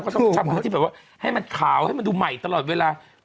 ต้องทำให้ที่แบบว่าให้มันขาวให้มันดูใหม่ตลอดเวลา